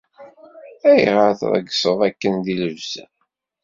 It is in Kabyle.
Ayɣer treyyseḍ akken di llebsa?